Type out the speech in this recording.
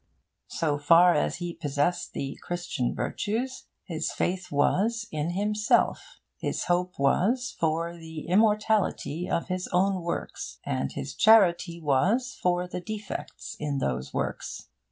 So far as he possessed the Christian virtues, his faith was in himself, his hope was for the immortality of his own works, and his charity was for the defects in those works.